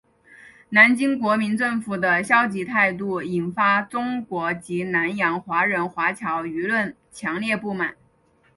南京国民政府的消极态度引发中国及南洋华人华侨舆论强烈不满。